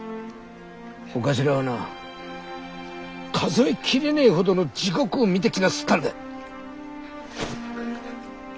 お頭はな数え切れねえほどの地獄を見てきなすったんだ。